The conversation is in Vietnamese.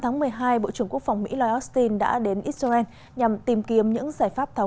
ngày một mươi tám một mươi hai bộ trưởng quốc phòng mỹ lloyd austin đã đến israel nhằm tìm kiếm những giải pháp tháo